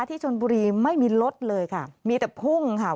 ที่ชนบุรีไม่มีรถเลยค่ะมีแต่พุ่งค่ะ